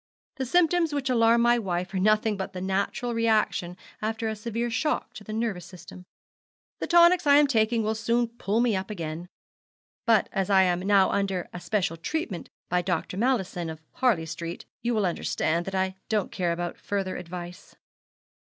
The symptoms which alarm my wife are nothing but the natural reaction after a severe shock to the nervous system. The tonics I am taking will soon pull me up again; but as I am now under a special treatment by Dr. Mallison, of Harley Street, you will under, stand that I don't care about further advice.'